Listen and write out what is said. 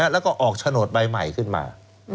แล้วก็ออกโฉนดใบใหม่ขึ้นมา